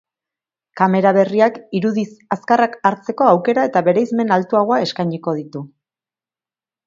Kamera berriak irudi azkarrak hartzeko aukera eta bereizmen altuagoa eskainiko ditu.